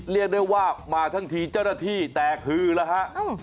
เรียกได้ว่ามาทั้งทีเจ้าหน้าที่แตกคือแล้วฮะ